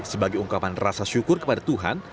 sebagai ungkapan rasa syukur kepada tuhan